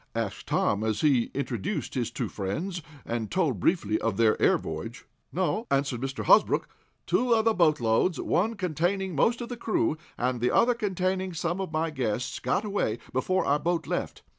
asked Tom, as he introduced his two friends, and told briefly of their air voyage. "No," answered Mr. Hosbrook, "two other boatloads, one containing most of the crew, and the other containing some of my guests, got away before our boat left.